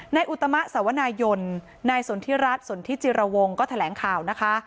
ในอุตมาสวนายนในสนทรรศสนทรีจิรวงก็แถลงข่าวนะคะ